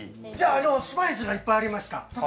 スパイスがいっぱいありました。